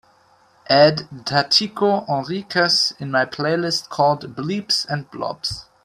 add Tatico Henriquez in my playlist called bleeps & bloops